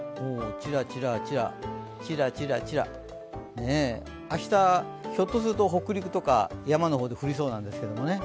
ちらちら、ちらちらちら明日、ひょっとすると北陸とか山の方で降りそうなんですけどね。